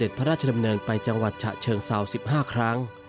พระราชดำเนินไปจังหวัดฉะเชิงเซา๑๕ครั้ง